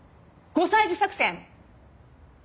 ５歳児作戦？